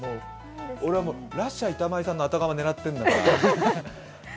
俺はラッシャー板前さんの後釜狙ってるんだから。